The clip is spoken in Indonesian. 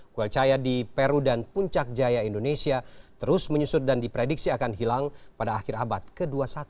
kue cahaya di peru dan puncak jaya indonesia terus menyusut dan diprediksi akan hilang pada akhir abad ke dua puluh satu